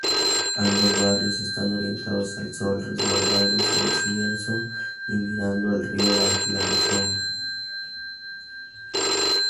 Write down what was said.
Ambos barrios están orientados al sol, resguardados del cierzo y mirando al río Arlanzón.